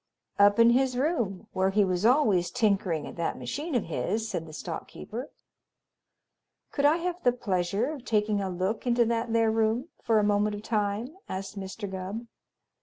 "Up in his room, where he was always tinkering at that machine of his," said the stock keeper. "Could I have the pleasure of taking a look into that there room for a moment of time?" asked Mr. Gubb.